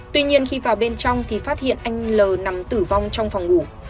tuy nhiên khi vào bên trong thì phát hiện anh l nằm tử vong trong phòng ngủ